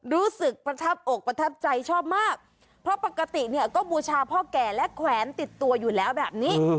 รู้สึกประทับอกประทับใจชอบมากเพราะปกติเนี่ยก็บูชาพ่อแก่และแขวนติดตัวอยู่แล้วแบบนี้